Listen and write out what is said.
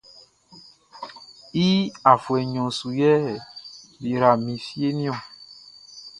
I afuɛ nɲɔn su yɛ be yra mi fieʼn niɔn.